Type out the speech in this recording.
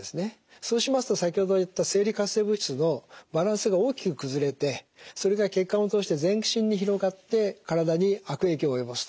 そうしますと先ほど言った生理活性物質のバランスが大きく崩れてそれが血管を通して全身に広がって体に悪影響を及ぼすと。